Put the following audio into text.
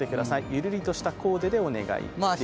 ゆるりとしたコーデでお願いします。